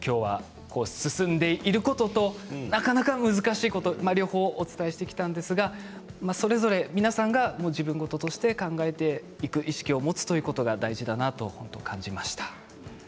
今日は進んでいることとなかなか難しいこと両方を伝えしてきたんですがそれぞれ皆さんが自分のこととして考えていく意識を持つということが大事だなと感じました。